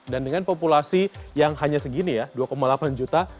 dengan populasi yang hanya segini ya dua delapan juta